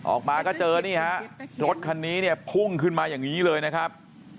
ออกมาก็เจอนี่ฮะรถคันนี้เนี่ยพุ่งขึ้นมาอย่างนี้เลยนะครับ